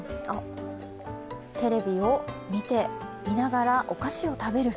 テレビを見ながらお菓子を食べる。